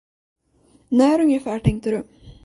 När ungefär, tänkte du?